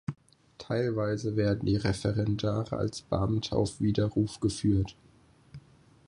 Teilweise werden die Referendare als Beamte auf Widerruf geführt.